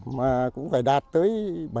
mà cũng phải đạt tới bảy mươi tám mươi